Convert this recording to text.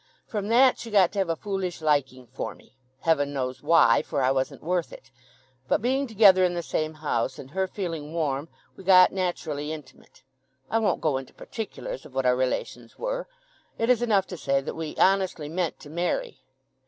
From that she got to have a foolish liking for me. Heaven knows why, for I wasn't worth it. But being together in the same house, and her feeling warm, we got naturally intimate. I won't go into particulars of what our relations were. It is enough to say that we honestly meant to marry.